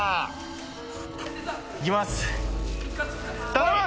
頼む。